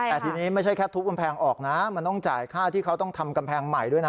แต่ทีนี้ไม่ใช่แค่ทุบกำแพงออกนะมันต้องจ่ายค่าที่เขาต้องทำกำแพงใหม่ด้วยนะ